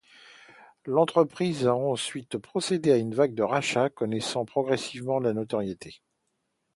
L'entreprise a ensuite procédé à une vague de rachats, connaissant progressivement la notoriété.